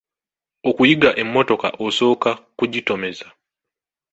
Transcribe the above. Okuyiga emmotoka osooka kugitomeza.